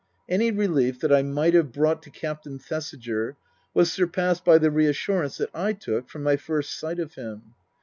Any relief that I might have brought to Captain Thesiger was surpassed by the reassurance that I took from my first sight of him.